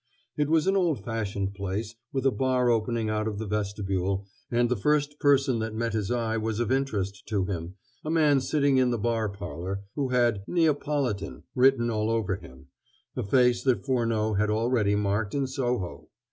It was an old fashioned place, with a bar opening out of the vestibule, and the first person that met his eye was of interest to him a man sitting in the bar parlor, who had "Neapolitan" written all over him a face that Furneaux had already marked in Soho.